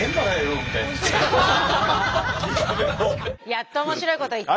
やっと面白いこと言った。